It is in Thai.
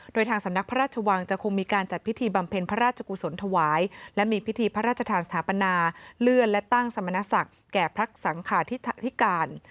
โดยทางสำนักพระราชวังจะคงมีการจัดพิธีบำเพ็ญพระราชกุศลถวายและมีพิธีพระราชทานสถาปนาเลื่อนและตั้งสมณศักดิ์แก่พระสังขาธิการ